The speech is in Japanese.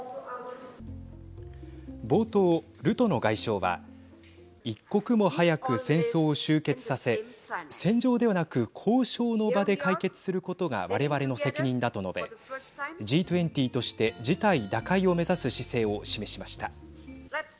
冒頭、ルトノ外相は一刻も早く戦争を終結させ戦場ではなく交渉の場で解決することがわれわれの責任だと述べＧ２０として事態打開を目指す姿勢を示しました。